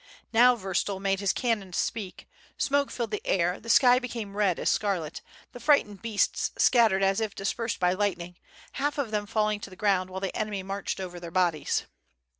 Now Vurtsel made his cannons speak, smoke filled the air, the sky became red as scarlet, the fright ened beasts scattered as if dispersed by lightning, half of them falling to the ground while the enemy marched over their bodies.